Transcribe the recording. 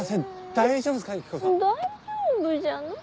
大丈夫じゃない。